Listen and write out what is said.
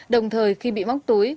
đồng thời khi bị móc túi